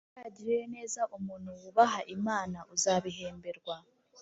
Uzagirire neza umuntu wubaha Imana, uzabihemberwa;